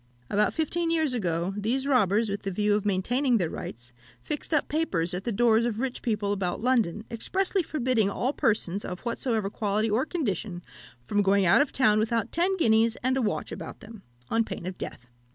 "About fifteen years ago, these robbers, with the view of maintaining their rights, fixed up papers at the doors of rich people about London, expressly forbidding all persons, of whatsoever quality or condition, from going out of town without ten guineas and a watch about them, on pain of death.